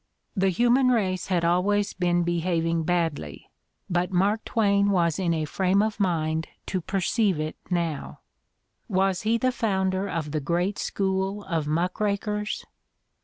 The human race had always been behaving badly, but Mark Twain was in a frame of mind to perceive it now. Was he the founder of the great school of muck rakers?